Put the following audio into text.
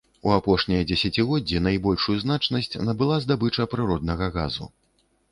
У апошнія дзесяцігоддзі найбольшую значнасць набыла здабыча прыроднага газу.